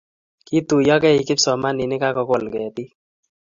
kituyokei kipsomaninik akokol ketik